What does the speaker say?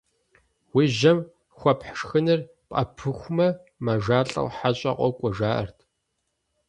Уи жьэм хуэпхь шхыныр пӀэпыхумэ, мажалӀэу хьэщӀэ къокӀуэ жаӀэрт.